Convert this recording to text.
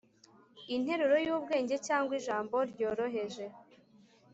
interuro y'ubwenge, cyangwa ijambo ryoroheje